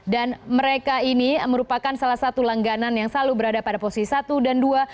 dan mereka ini merupakan salah satu langganan yang selalu berada pada posisi satu dan dua